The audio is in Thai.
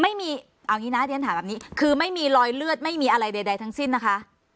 ไม่มีเอางี้นะเรียนถามแบบนี้คือไม่มีรอยเลือดไม่มีอะไรใดทั้งสิ้นนะคะ